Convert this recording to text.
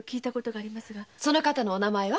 その方の名前は？